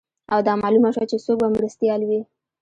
او دا معلومه شوه چې څوک به مرستیال وي